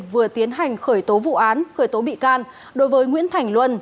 vừa tiến hành khởi tố vụ án khởi tố bị can đối với nguyễn thành luân